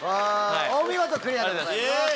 お見事クリアでございます。